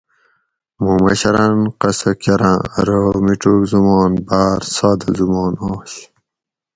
مُوں مشراۤن قصہ کراۤں ارو میڄوگ زمان باۤر سادہ زمان آش